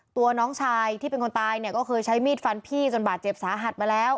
ตัวน้องชายที่เป็นคนตายเนี่ยก็เคยใช้มีดฟันพี่จนบาดเจ็บสาหัสมาแล้ว